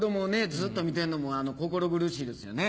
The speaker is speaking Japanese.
ずっと見てんのも心苦しいですよね。